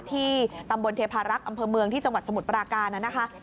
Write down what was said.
ที่ตำบลเทพารักษ์อำเภอเมืองที่จังหวัดสมุทรปราการนะคะ